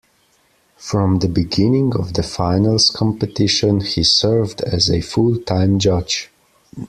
From the beginning of the finals competition he served as a full-time judge.